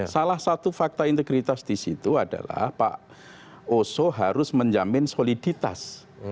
salah satu fakta integritas di situ adalah pak oso harus menjamin soliditas